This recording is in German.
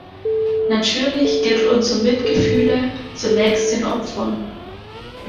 Natürlich gilt unser Mitgefühle zunächst den Opfern.